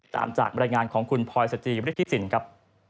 ตามจากบรรยายงานของคุณพลอยสจีบริธิสินครับ